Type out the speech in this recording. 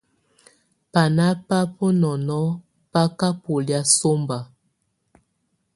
Bána bá bunɔnɔ̀ bà ka bɔlɛ̀á sɔmba.